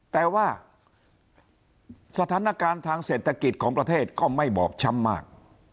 แต่ว่าสถานการณ์ทางเศรษฐกิจของประเทศก็ไม่บอบช้ำมาก